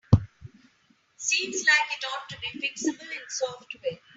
Seems like it ought to be fixable in software.